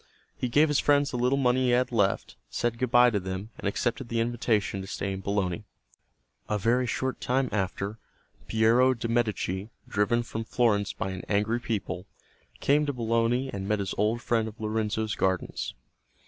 He gave his friends the little money he had left, said good bye to them, and accepted the invitation to stay in Bologna. A very short time after, Piero de' Medici, driven from Florence by an angry people, came to Bologna and met his old friend of Lorenzo's gardens.